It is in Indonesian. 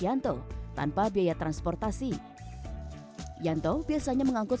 setiap lima hari sekali kripik kripiknya meningkat